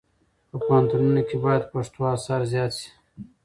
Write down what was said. په پوهنتونونو کې باید پښتو اثار زیات شي.